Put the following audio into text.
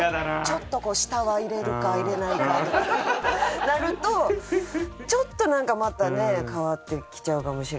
「ちょっと舌は入れるか入れないか」とかなるとちょっとなんかまたね変わってきちゃうかもしれませんけど。